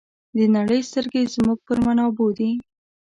د نړۍ سترګې زموږ پر منابعو دي.